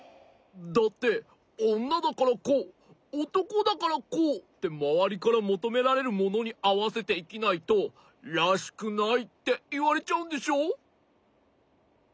だっておんなだからこうおとこだからこうってまわりからもとめられるものにあわせていきないと「らしくない！」っていわれちゃうんでしょ？